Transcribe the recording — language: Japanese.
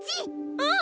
うん！